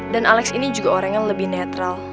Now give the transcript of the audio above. dan alex ini juga orang yang lebih netral